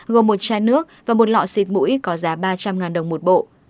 gồm một chai nước và một lọ xịt mũi có giá ba trăm linh đồng một bộ